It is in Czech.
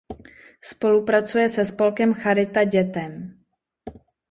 Spolupracuje se spolkem Charita dětem.